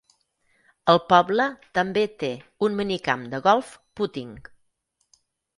El poble també té un minicamp de golf "putting".